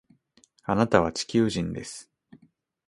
あなたは地球人です